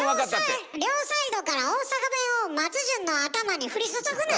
両サイ両サイドから大阪弁を松潤の頭にふり注ぐな！